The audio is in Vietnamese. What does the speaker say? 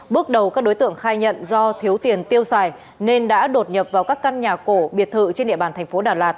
bước đầu các đối tượng khai nhận do thiếu tiền tiêu xài nên đã đột nhập vào các căn nhà cổ biệt thự trên địa bàn thành phố đà lạt